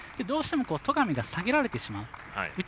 どうしても戸上が下げられてしまう。